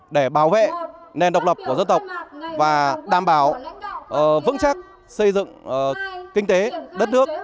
để bảo vệ nền độc lập của dân tộc và đảm bảo vững chắc xây dựng kinh tế đất nước